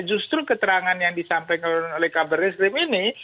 justru keterangan yang disampaikan oleh kabar reskrim ini